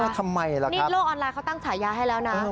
ทำไมล่ะนี่โลกออนไลน์เขาตั้งฉายาให้แล้วนะ